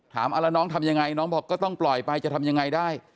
ถามแล้วน้องทำยังไงน้องบอกก็ต้องปล่อยไปจะทำยังไงได้